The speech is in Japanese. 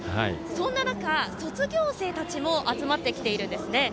そんな中、卒業生たちも集まってきているんですね。